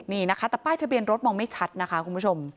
นี่นะคะแต่ป้ายทะเบียนรถมองไม่ชัดนะคะคุณผู้ชม